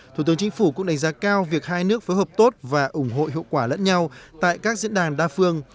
thủ tướng chính phủ cũng đánh giá cao việc hai nước phối hợp tốt và ủng hộ hiệu quả lẫn nhau tại các diễn đàn đa phương